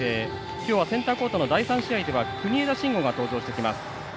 今日はセンターコートの第３試合では国枝慎吾が登場します。